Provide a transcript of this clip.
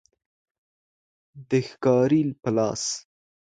د ښکاري په لاس